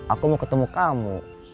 aku mau ketemu kamu